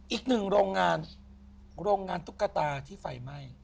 อีกหนึ่งโรงงานโรงงานตุ๊กตาที่ไฟไหม้